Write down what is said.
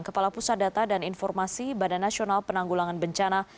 kepala pusat data dan informasi badan nasional penanggulangan bencana